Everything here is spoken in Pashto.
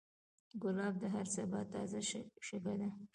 ګلاب د هر سبا تازه شګه ده.